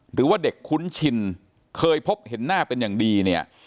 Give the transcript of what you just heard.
หรือว่าเด็กคุ้นชินเคยพบเห็นหน้าเป็นอย่างดีเนี่ย